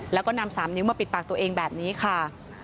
แล้วก็นำ๓นิ้วมาปิดปากตัวเองแบบนี้ค่ะ